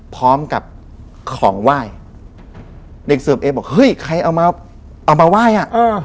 พร้อมกับของไหว้เด็กเสิร์ฟเองบอกเฮ้ยใครเอามาเอามาไหว้อ่ะเออ